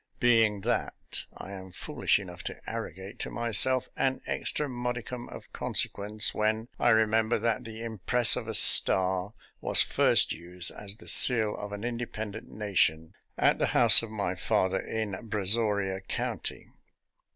Being that, I am foolish enough to arrogate to myself an extra modicum of consequence when I remember that the impress of a star was first used as the seal of an independent nation at the house of my father in Brazoria County.